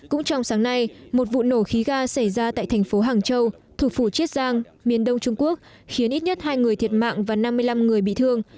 cũng trong sáng nay một vụ nổ khí ga xảy ra tại thành phố hàng châu thủ phủ chiết giang miền đông trung quốc khiến ít nhất hai người thiệt mạng và năm mươi năm người bị thương